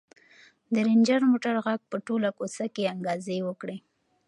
د رنجر موټر غږ په ټوله کوڅه کې انګازې وکړې.